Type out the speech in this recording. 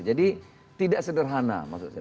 jadi tidak sederhana